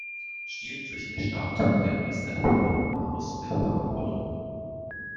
Stiehlt sich der Staat mit der Riester-Förderung aus der Verantwortung?